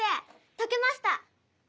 解けました！